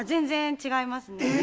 全然違いますね